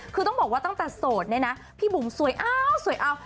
คือต้องบอกว่าตั้งแต่โสดเนี่ยนะพี่บุ๋มสวยเอาสวยเอา